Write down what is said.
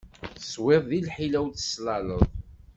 Teswiḍ di lḥila ur teslaleḍ.